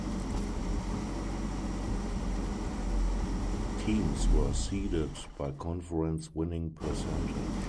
Teams were seeded by conference winning percentage.